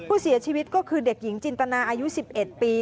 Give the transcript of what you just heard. ผู้เสียชีวิตก็คือเด็กหญิงจินตนาอายุ๑๑ปี